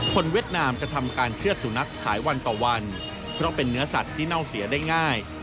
เวียดนามจะทำการเชื่อดสุนัขขายวันต่อวันเพราะเป็นเนื้อสัตว์ที่เน่าเสียได้ง่าย